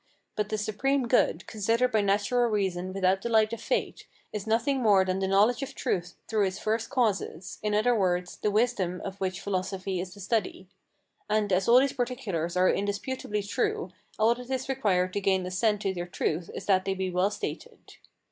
But the supreme good, considered by natural reason without the light of faith, is nothing more than the knowledge of truth through its first causes, in other words, the wisdom of which philosophy is the study. And, as all these particulars are indisputably true, all that is required to gain assent to their truth is that they be well stated.